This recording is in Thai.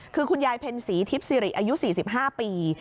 คือคุณยายเพ็ญศรีทิพย์สิริอายุ๔๕ปี